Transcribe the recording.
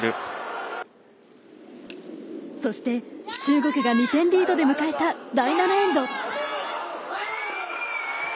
そして、中国が２点リードで迎えた第７エンド。